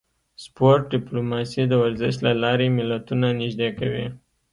سپورت ډیپلوماسي د ورزش له لارې ملتونه نږدې کوي